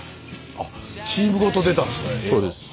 あチームごと出たんですね。